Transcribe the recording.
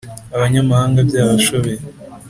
Abanyamahanga byabashobeye